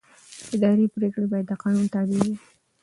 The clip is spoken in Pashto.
اداري پرېکړه باید د قانون تابع وي.